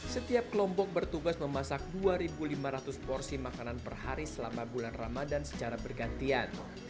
setiap kelompok bertugas memasak dua lima ratus porsi makanan per hari selama bulan ramadan secara bergantian